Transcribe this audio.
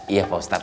iya pak ustadz